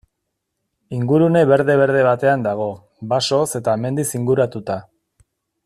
Ingurune berde-berde batean dago, basoz eta mendiz inguratuta.